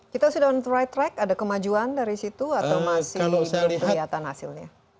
kita sudah on track ada kemajuan dari situ atau masih kelihatan hasilnya